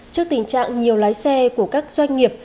trước tình trạng nhiều lái xe của các doanh nghiệp